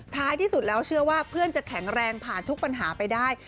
ท้ายที่สุดแล้วเชื่อว่าเพื่อนจะแข็งแรงผ่านทุกปัญหาไปได้